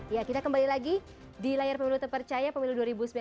ya kita kembali lagi di layar pemilu terpercaya pemilu dua ribu sembilan belas